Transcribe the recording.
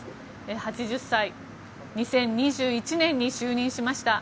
８０歳２０２１年に就任しました。